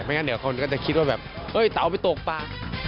ไม่งั้นเดี๋ยวเขาก็จะคิดว่าแบบเฮ้ยเต๋าไปตกปลา